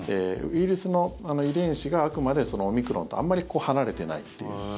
ウイルスの遺伝子があくまでオミクロンとあんまり離れていないという。